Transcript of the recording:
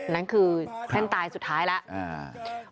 นั่นคือเส้นตายสุดท้ายแล้ว